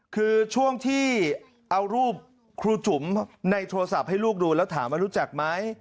คือช่วงที่เอารูปครูจุ๋มในโทรศัพท์ให้ลูกดูแล้วถามว่ารู้จักไหม